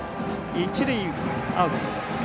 一塁、アウト。